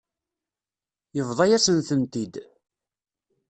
Yebḍa-yasen-tent-id.